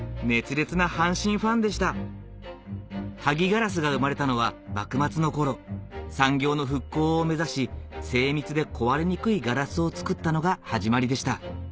熱烈な阪神ファンでした萩ガラスが生まれたのは幕末の頃産業の復興を目指し精密で壊れにくいガラスを作ったのが始まりでした